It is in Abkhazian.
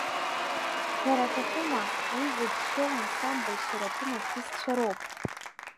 Ҳәара аҭахума, уи зыџьшьоу ансамбль Шьараҭын артистцәа роуп.